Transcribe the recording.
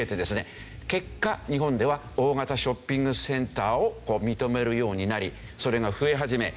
結果日本では大型ショッピングセンターを認めるようになりそれが増え始め